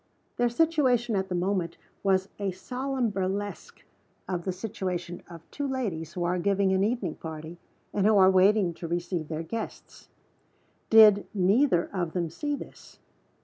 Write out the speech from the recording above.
Their situation at the moment was a solemn burlesque of the situation of two ladies who are giving an evening party, and who are waiting to receive their guests. Did neither of them see this?